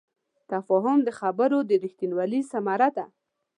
تفاهم د خبرو د رښتینوالي ثمره ده.